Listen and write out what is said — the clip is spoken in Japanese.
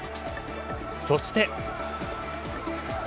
そして。